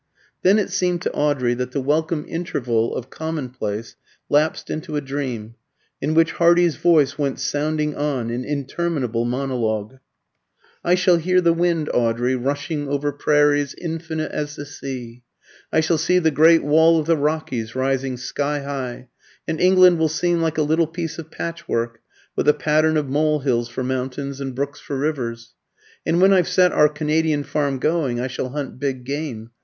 Then it seemed to Audrey that the welcome interval of commonplace lapsed into a dream, in which Hardy's voice went sounding on in interminable monologue. "I shall hear the wind, Audrey, rushing over prairies infinite as the sea; I shall see the great wall of the Rockies rising sky high. And England will seem like a little piece of patchwork, with a pattern of mole hills for mountains, and brooks for rivers. And when I've set our Canadian farm going, I shall hunt big game.